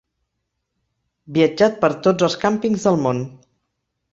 Viatjat per tots els càmpings del món.